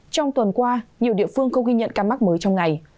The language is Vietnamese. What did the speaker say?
trong tuần qua nhiều địa phương không ghi nhận ca mắc mới trong ngày